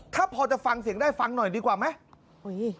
ถ้าพอจะฟังเสียงได้ฟังหน่อยดีกว่าไหม